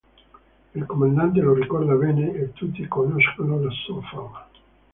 Il comandante lo ricorda bene e tutti conoscono la sua fama.